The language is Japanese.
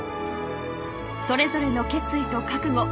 それぞれの決意と覚悟